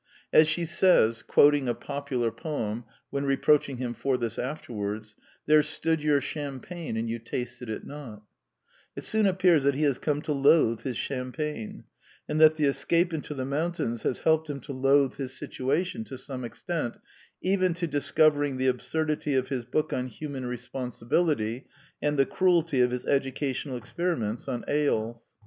As she says, quoting a popular poem when reproaching him for this afterwards, "There stood your cham pagne and you tasted it not" It soon appears that he has come to loathe his champagne, and that the escape into the mountains has helped him to loathe his situation to some extent, even to discovering the absurdity of his book on Human Responsibility, and the cruelty of his educational experiments on Eyolf.